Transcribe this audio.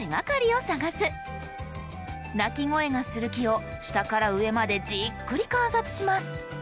鳴き声がする木を下から上までじっくり観察します。